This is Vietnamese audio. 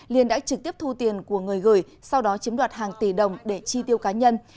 liên đã trực tiếp thu tiền của người gửi sau đó chiếm đoạt hàng tỷ đồng để chi tiêu cá nhân